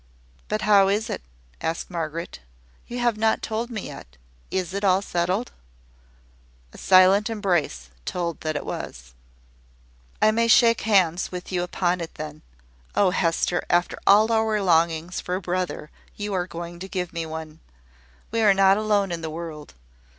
"But how is it?" asked Margaret. "You have not told me yet. Is it all settled?" A silent embrace told that it was. "I may shake hands with you upon it, then. Oh, Hester, after all our longings for a brother, you are going to give me one! We are not alone in the world.